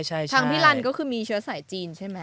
ทางพี่ลันก็คือมีเชื้อใสจีนใช่มั้ย